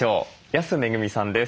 安めぐみさんです。